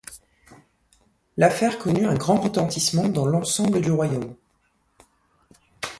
L'affaire connut un grand retentissement dans l'ensemble du royaume.